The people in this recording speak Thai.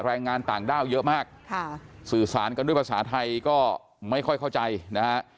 แรงงานต่างด้าวเยอะมากค่ะสื่อสารกันด้วยภาษาไทยก็ไม่ค่อยเข้าใจนะฮะ